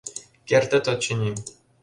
— Кертыт, очыни...